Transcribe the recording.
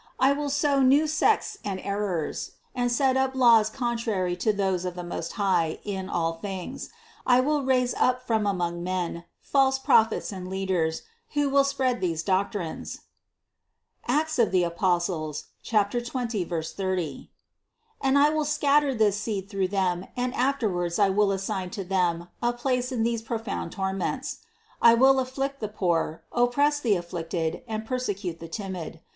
I will sow new sects and errors, and set up laws contrary to those of the Most High in all things. I will raise up from among men false prophets and leaders, who will spread these doctrines (Act 20, 30) and I will scatter this seed through them and afterwards I will assign to them a place in these profound torments. I will afflict the poor, oppress the afflicted, and persecute the timid.